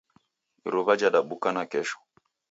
Iruwa jadabuka nakesho.